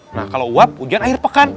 nah kalau uap hujan akhir pekan